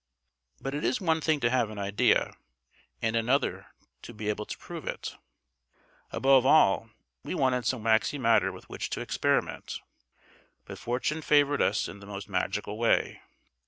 But it is one thing to have an idea, and another to be able to prove it. Above all, we wanted some waxy matter with which to experiment. But fortune favoured us in the most magical way.